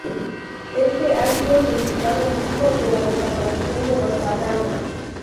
Este ha sido el principal motivo de la desaparición de los batanes.